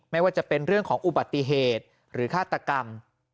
ไม่ว่าจะเป็นเรื่องของอุบัติเหตุหรือฆาตกรรม